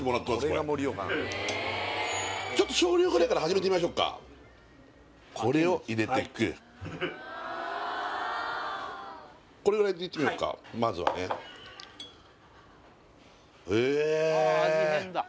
これちょっと少量ぐらいから始めてみましょっかこれを入れていくこれぐらいでいってみよっかまずはねえ味